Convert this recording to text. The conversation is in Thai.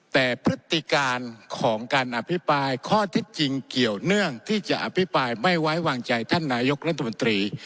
แต่พฤติการของการอภิปรายข้อเท็จจริงเกี่ยวเนื่องที่จะอภิปรายไม่ไว้วางใจท่านนายกรัฐมนตรี